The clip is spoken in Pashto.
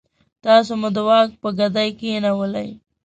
تاسو مو د واک په ګدۍ کېنولئ.